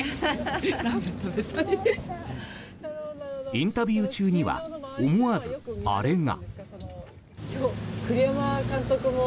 インタビュー中には思わず、あれが。